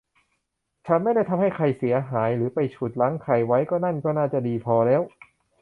ฉันไม่ได้ทำให้ใครเสียหายหรือไปฉุดรั้งใครไว้ นั่นก็น่าจะดีพอแล้ว